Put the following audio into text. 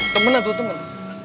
temen lah tuh temen